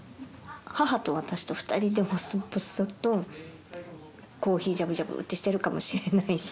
母と私と２人で細々とコーヒージャブジャブーってしてるかもしれないし